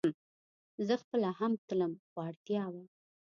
زه خپله هم تلم خو اړتيا وه